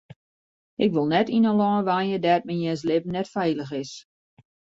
Ik wol net yn in lân wenje dêr't men jins libben net feilich is.